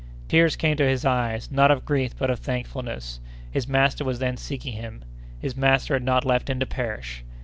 Tears came to his eyes, not of grief but of thankfulness; his master was then seeking him; his master had not left him to perish!